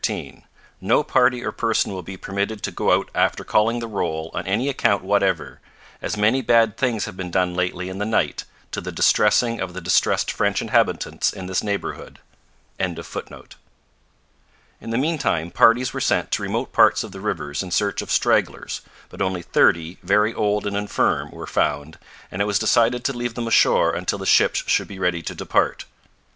No party or person will be permitted to go out after calling the roll on any account whatever, as many bad things have been done lately in the night, to the distressing of the distressed French inhabitants in this neighbourhood.'] In the meantime parties were sent to remote parts of the rivers in search of stragglers, but only thirty, very old and infirm, were found, and it was decided to leave them ashore until the ships should be ready to depart.